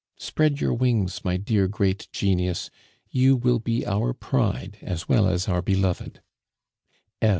Spread your wings, my dear great genius, you will be our pride as well as our beloved.